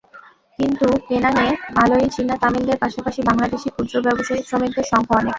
কিন্তু পেনাংয়ে মালয়ি, চীনা, তামিলদের পাশাপাশি বাংলাদেশি ক্ষুদ্র ব্যবসায়ী, শ্রমিকদের সংখ্যা অনেক।